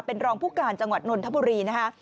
เป็นรองผู้การจังหวัดนนทบุรีนะคะ